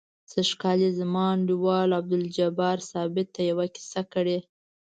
سږ کال یې زما انډیوال عبدالجبار ثابت ته یوه کیسه کړې.